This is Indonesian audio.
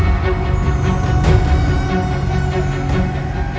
tetapi blueberries terlebih dahulu